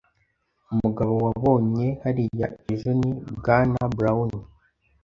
Umugabo wabonye hariya ejo ni Bwana Brown.